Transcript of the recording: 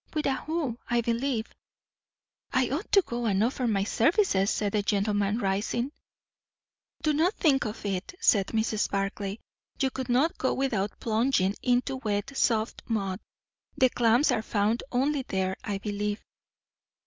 "With a hoe, I believe." "I ought to go and offer my services," said the gentleman, rising. "Do not think of it," said Mrs. Barclay. "You could not go without plunging into wet, soft mud; the clams are found only there, I believe."